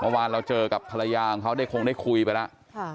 เมื่อวานเราเจอกับภรรยาของเขาได้คงได้คุยไปแล้ว